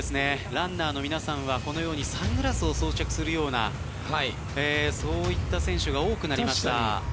ランナーの皆さんはこのようにサングラスを装着するようなそういった選手が多くなりました。